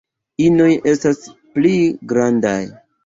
Inoj estas pli grandaj.